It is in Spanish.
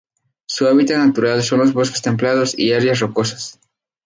Su hábitat natural son los bosques templados y áreas rocosas.